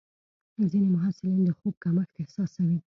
ځینې محصلین د خوب کمښت احساسوي.